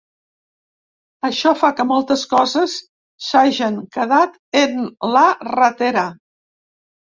Això fa que moltes coses s’hagen quedat en la ratera.